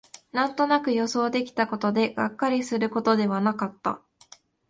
なんとなく予想できたことで、がっかりすることではなかった